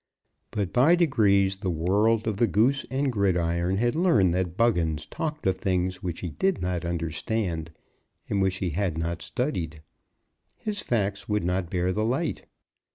But by degrees the world of the Goose and Gridiron had learned that Buggins talked of things which he did not understand, and which he had not studied. His facts would not bear the light.